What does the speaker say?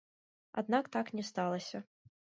Аднак так не сталася.